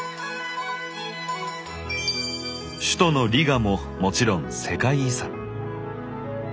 首都のリガももちろん世界遺産！